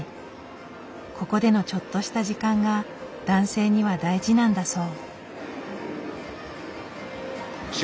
ここでのちょっとした時間が男性には大事なんだそう。